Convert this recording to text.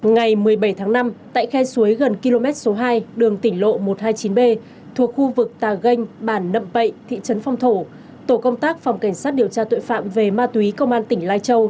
ngày một mươi bảy tháng năm tại khe suối gần km số hai đường tỉnh lộ một trăm hai mươi chín b thuộc khu vực tà ganh bản nậm pậy thị trấn phong thổ tổ công tác phòng cảnh sát điều tra tội phạm về ma túy công an tỉnh lai châu